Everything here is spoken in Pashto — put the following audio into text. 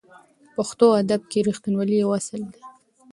پښتو ادب کې رښتینولي یو اصل دی.